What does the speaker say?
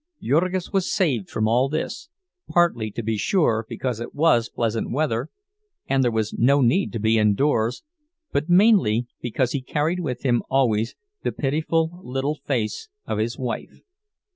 Jurgis was saved from all this—partly, to be sure, because it was pleasant weather, and there was no need to be indoors; but mainly because he carried with him always the pitiful little face of his wife.